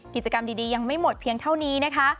กิจกรรมดียังไม่หมดเพียงเท่านี้นะคะ